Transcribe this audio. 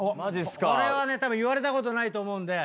これはねたぶん言われたことないと思うんで。